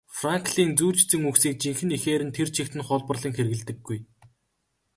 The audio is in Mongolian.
Франклин зүйр цэцэн үгсийг жинхэнэ эхээр нь тэр чигт нь хуулбарлан хэрэглэдэггүй.